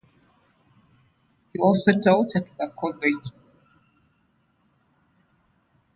He also taught at the College.